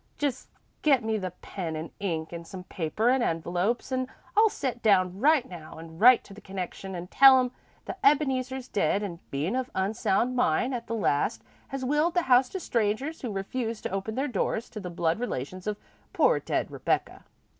Just get me the pen an' ink an' some paper an' envelopes an' I'll set down right now an' write to the connection an' tell 'em that Ebeneezer's dead an' bein' of unsound mind at the last has willed the house to strangers who refuse to open their doors to the blood relations of poor dead Rebecca.